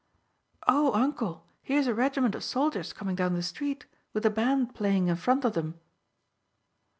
"Oh, uncle, here's a regiment of soldiers coming down the street with the band playing in front of them."